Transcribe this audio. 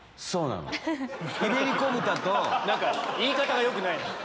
何か言い方がよくないな。